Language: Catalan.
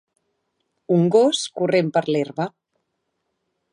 Un gos corrent per l'herba.